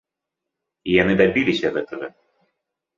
І яны дабіліся гэтага!